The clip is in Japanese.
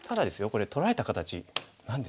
これ取られた形何ですかね